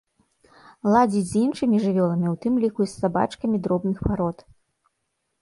Ладзіць з іншымі жывёламі, у тым ліку і з сабачкамі дробных парод.